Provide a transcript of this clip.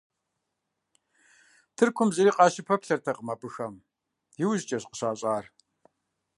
Тыркум зыри къащыпэплъэртэкъым абыхэм – иужькӏэщ къыщащӏар.